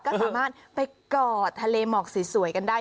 ก็สามารถไปก่อทะเลหมอกสวยกันได้